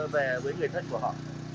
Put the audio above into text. về với người thân của họ